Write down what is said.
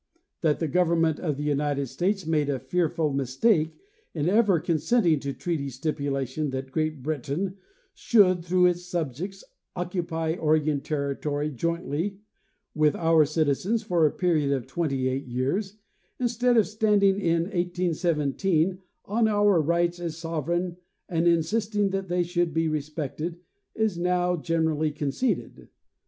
That the government of the United States made a fearful mis take in ever consenting by treaty stipulation that Great Britain 252 John H. Mitchell—Oregon should, through its subjects, occupy Oregon territory jointly with our citizens for a period of twenty eight years, instead of stand ing in 1817 on our rights as sovereign and insisting that they should be respected, is now generally conceded.